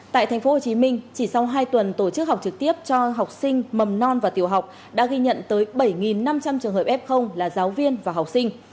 tại thành phố hồ chí minh chỉ sau hai tuần tổ chức học trực tiếp cho học sinh mầm non và tiểu học đã ghi nhận tới bảy năm trăm linh trường hợp f là giáo viên và học sinh